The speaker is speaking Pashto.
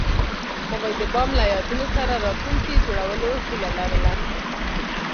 هغوی د بام له یادونو سره راتلونکی جوړولو هیله لرله.